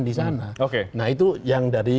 di sana nah itu yang dari